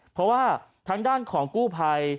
เพราะว่าทางด้านของกู้ภัย